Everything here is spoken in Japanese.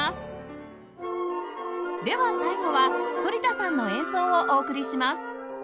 では最後は反田さんの演奏をお送りします